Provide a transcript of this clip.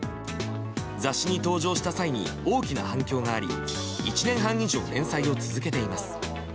雑誌に登場した際に大きな反響があり１年半以上、連載を続けています。